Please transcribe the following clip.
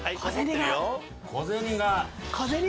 小銭が。